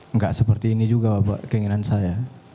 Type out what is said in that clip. nggak seperti ini juga bapak keinginan saya